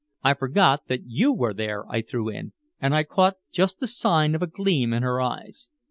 I forgot that you were there," I threw in, and I caught just the sign of a gleam in her eyes.